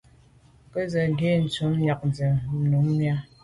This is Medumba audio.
Kâ gə́ zí’jú tɔ̌ míɛ̂nʤám mjɛ̂k mú à yá.